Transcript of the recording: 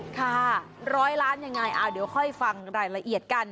ค่ะร้อยล้านยังไงเดี๋ยวค่อยฟังรายละเอียดกัน